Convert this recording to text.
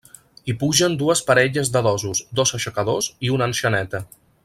Hi pugen dues parelles de dosos, dos aixecadors i un enxaneta.